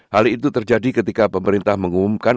hal itu terjadi ketika pemerintah mengumumkan